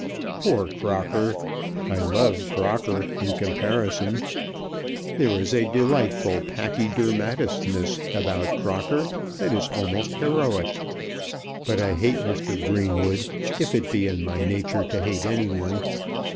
"Poor Crocker! I love Crocker, in comparison. There is a delightful pachydermatousness about Crocker which is almost heroic. But I hate Mr. Greenwood, if it be in my nature to hate any one.